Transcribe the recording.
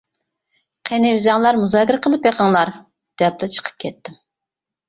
قېنى ئۆزۈڭلار مۇزاكىرە قىلىپ بېقىڭلار، -دەپلا چىقىپ كەتتىم.